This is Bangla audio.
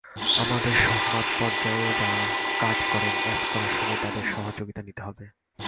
আমাদেরসহ মাঠপর্যায়ে যাঁরা কাজ করেন অ্যাপস করার সময় তাঁদের সহযোগিতা নিতে হবে।